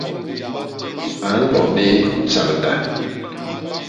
A nlo bé tjagda.